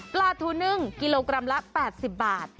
ปลาทูนึ่งกิโลกรัมละ๘๐บาท